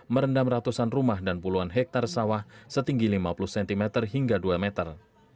merendam ratusan rumah dan puluhan hektare sawah setinggi lima puluh cm hingga dua meter